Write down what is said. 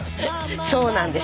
そうなんです。